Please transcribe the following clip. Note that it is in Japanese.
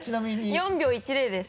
４秒１０です。